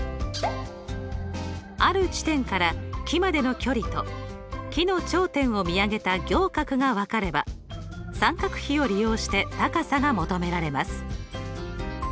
ある地点から木までの距離と木の頂点を見上げた仰角が分かれば三角比を利用して高さが求められます。